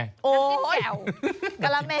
น้ำปิ้นแก่ว